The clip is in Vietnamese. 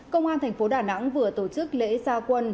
công an thành phố đà nẵng vừa tổ chức lễ gia quân